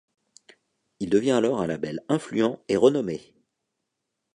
Il devient alors un label influent et renommé.